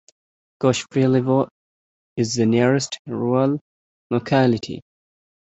Kushpelevo is the nearest rural locality.